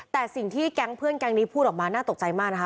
แต่สิ่งที่แก๊งเพื่อนแก๊งนี้พูดออกมาน่าตกใจมากนะคะ